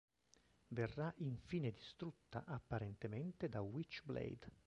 Verrà infine distrutta apparentemente da Witchblade.